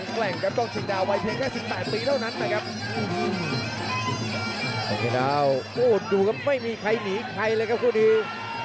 เกิดเลยมาโอ้โหดูครับไม่มีใครหนีไขเลยครับคู่นี้